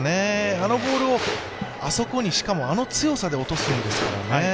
あのボールをあそこに、しかもあの強さで落とすんですからね。